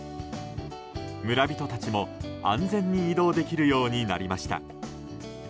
村人たちも安全に移動できるようになりました。